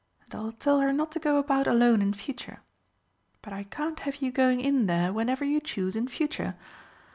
And I'll tell her not to go about alone in future.... But I can't have you going in there whenever you choose in future.